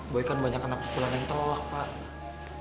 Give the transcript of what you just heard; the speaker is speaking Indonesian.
boy kan banyak kena pukulan yang telak pak